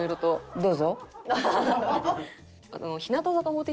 どうぞ。